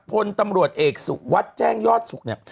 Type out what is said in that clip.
พลตำรวจเอกสุวัสดิ์แจ้งยอดสุขเนี่ย